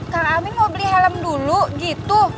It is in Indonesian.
kang amin mau beli helm dulu gitu